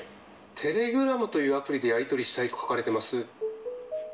テレグラムというアプリでやり取りしたいと書かれています。